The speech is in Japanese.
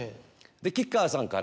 吉川さんから。